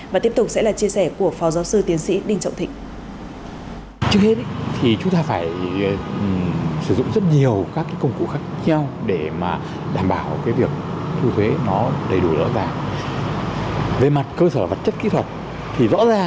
và tiếp tục sẽ là chia sẻ của phó giáo sư tiến sĩ đinh trọng thịnh